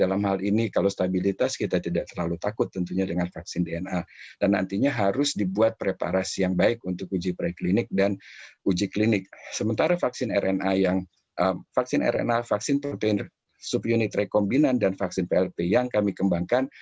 vaksin rna vaksin protein subunit rekombinan dan vaksin vlp yang kami kembangkan